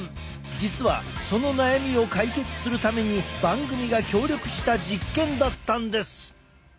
実はその悩みを解決するために番組が協力した実験だったんです！